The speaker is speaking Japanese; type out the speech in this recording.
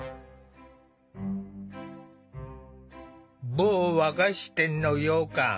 某和菓子店のようかん。